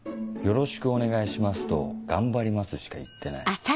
「よろしくお願いします」と「頑張ります」しか言ってない。